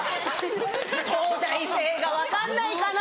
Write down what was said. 東大生が分かんないかな？